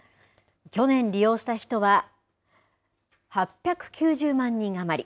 去年利用した人は８９０万人余り。